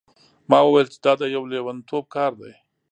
ما وویل چې دا د یو لیونتوب کار دی.